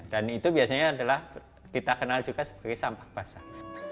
dan itu biasanya adalah kita kenal juga sebagai sampah basah